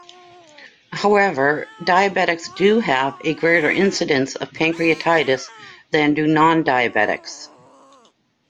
However, diabetics do have a greater incidence of pancreatitis than do non-diabetics.